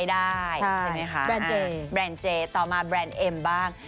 แต่ต่อมาแบรนด์เอ็มบ้าง